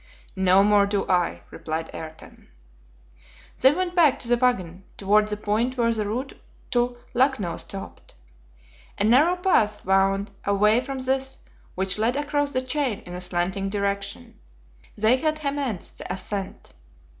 "No more do I," replied Ayrton. They went back to the wagon, toward the point where the route to Lucknow stopped. A narrow path wound away from this which led across the chain in a slanting direction. They had commenced the ascent.